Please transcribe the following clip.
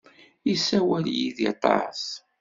Yessawal yid-i aṭas.